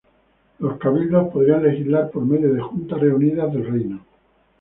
Los cabildos podrían legislar por medio de juntas reunidas del reino.